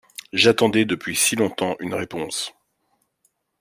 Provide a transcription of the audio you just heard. J’attendais depuis si longtemps une réponse.